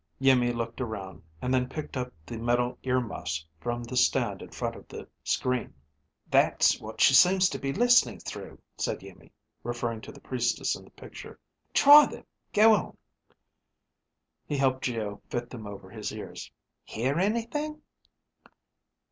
Iimmi looked around and then picked up the metal ear muffs from the stand in front of the screen. "That's what she seems to be listening through," said Iimmi, referring to the Priestess in the picture. "Try them. Go on." He helped Geo fit them over his ears. "Hear anything?"